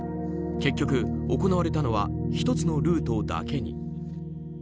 結局、行われたのは１つのルートだけに。